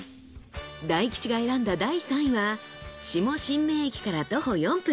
大吉が選んだ第３位は下神明駅から徒歩４分。